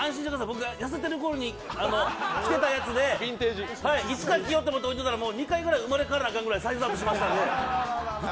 僕が痩せてるころに着てたやつで、いつか着ようと思っていたら２回ぐらい生まれ変わらんといけないぐらいサイズアップしてしまって。